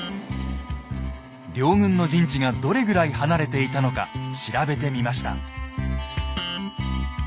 両軍の陣地がどれぐらい離れていたのか調べてみました。